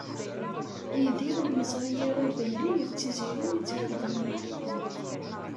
Yidir ur yeẓri ara belli d Tiziri i tt-ixedmen.